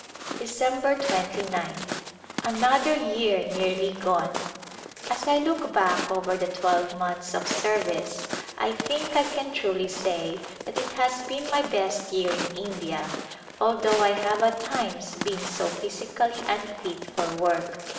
December 2gth. Another year nearly gone ! As I look back over the twelve months of service I think I can truly say that it has been my best year in India, although I have [io8] As M Sazv It at times been so physically unfit for work.